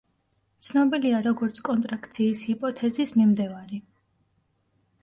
ცნობილია როგორც კონტრაქციის ჰიპოთეზის მიმდევარი.